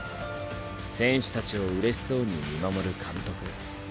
選手達を嬉しそうに見守る監督。